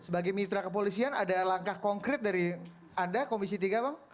sebagai mitra kepolisian ada langkah konkret dari anda komisi tiga bang